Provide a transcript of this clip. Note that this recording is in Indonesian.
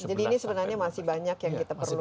jadi ini sebenarnya masih banyak yang kita perlu